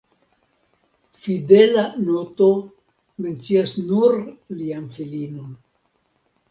Fidela noto mencias nur lian filinon.